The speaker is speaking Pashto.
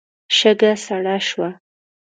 شګه سړه شوه.